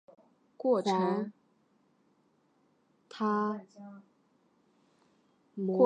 极光是地球周围的一种大规模放电的过程。